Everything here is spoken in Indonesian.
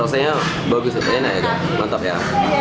rasanya bagus itu enak ya mantap ya